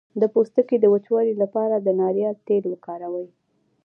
د پوستکي د وچوالي لپاره د ناریل تېل وکاروئ